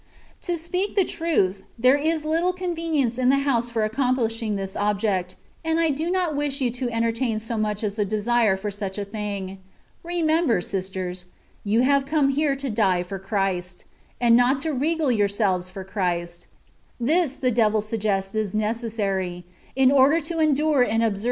To speak the truth, there is little convenience in the house for accomplishing this object, and I do not wish you to entertain so much as a desire for such a thing. Remember, sisters, you have come here to die for Christ, and not to regale yourselves for Christ: this, the devil suggests, is necessary, in order to endure and observe the * By taking c^ood care of their body, they prolong theii* life.